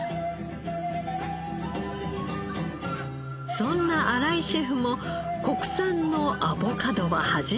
そんな荒井シェフも国産のアボカドは初めて。